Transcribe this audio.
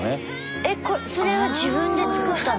えっそれは自分で作ったの？